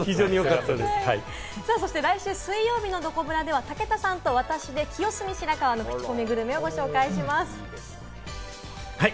来週水曜日のどこブラでは、武田さんと私で、清澄白河のクチコミグルメをご紹介します。